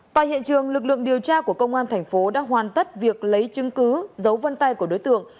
tại hiện trường lực lượng điều tra của công an tp đà nẵng đã hoàn tất việc lấy chứng cứ giấu văn tay của đối tượng